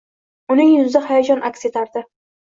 Uning yuzida hayajon aks etardi.